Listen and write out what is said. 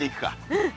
うん！